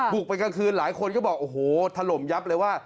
ไปกลางคืนหลายคนก็บอกโอ้โหถล่มยับเลยว่า